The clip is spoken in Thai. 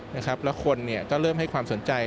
แล้วคนก็เริ่มให้ความสนใจ